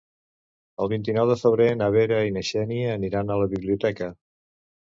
El vint-i-nou de febrer na Vera i na Xènia aniran a la biblioteca.